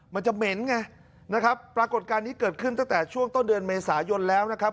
มันจะเหม็นไงนะครับปรากฏการณ์นี้เกิดขึ้นตั้งแต่ช่วงต้นเดือนเมษายนแล้วนะครับ